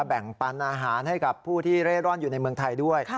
แบ่งปันอาหารให้กับผู้ที่เร่ร่อนอยู่ในเมืองไทยด้วย